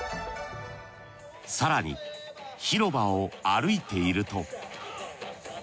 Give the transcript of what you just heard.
更に広場を歩いていると。